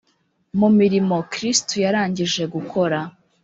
mu mirimo Kristo yarangije gukora.